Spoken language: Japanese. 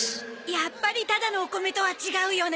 やっぱりただのお米とは違うよね。